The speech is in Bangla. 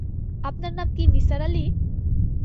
আপনার নাম কি নিসার আলি?